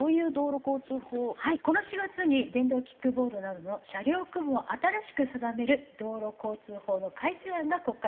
この４月に電動キックボードなどの車両区分を新しく定める道路交通法の改正案が国会で可決成立しました。